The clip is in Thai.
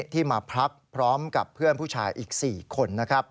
ที่มาพักพร้อมกับเพื่อนผู้ชายอีก๔คน